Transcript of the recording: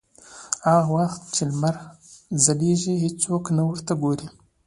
هغه وخت چې لمر ځلېږي هېڅوک نه ورته ګوري.